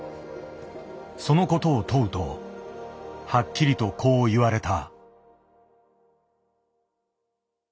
そのことを問うとはっきりとこう言われた。